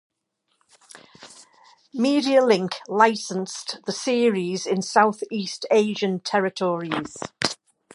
Medialink licensed the series in Southeast Asian territories.